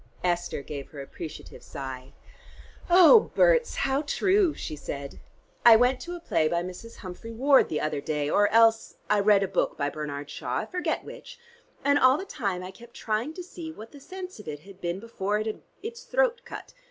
Esther gave her appreciative sigh. "Oh, Berts, how true!" she said. "I went to a play by Mrs. Humphry Ward the other day, or else I read a book by Bernard Shaw, I forget which, and all the time I kept trying to see what the sense of it had been before it had its throat cut.